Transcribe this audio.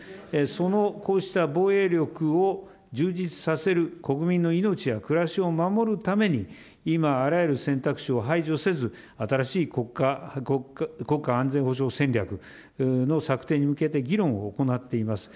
そのこうした防衛力を充実させる、国民の命や暮らしを守るために、今、あらゆる選択肢を排除せず、新しい国家安全保障戦略の策定に向けて議論を行っています。